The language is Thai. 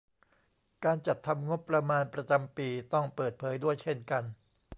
การจัดทำงบประมาณประจำปีต้องเปิดเผยด้วยเช่นกัน